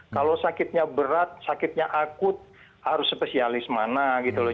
kalau sakitnya berat sakitnya akut harus spesialis mana gitu loh